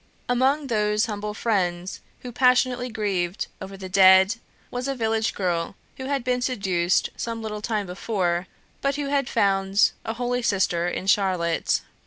Among those humble friends who passionately grieved over the dead, was a village girl who had been seduced some little time before, but who had found a holy sister in Charlotte.